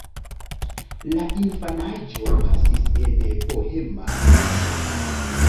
La infanaĝo pasis en bohema medio.